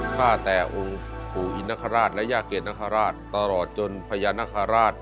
ข้าแต้องค์ขู่อินนะคะราชและหน้าเกลียดนะคะราชตลอดจนพญานาคาราช